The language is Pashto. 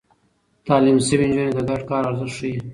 تعليم شوې نجونې د ګډ کار ارزښت ښيي.